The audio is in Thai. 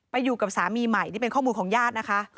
อยู่กับสามีใหม่นี่เป็นข้อมูลของญาตินะคะ